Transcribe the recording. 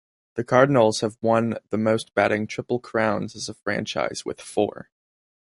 The Cardinals have won the most batting Triple Crowns as a franchise with four.